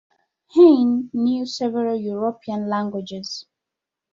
Heyn knew several European languages.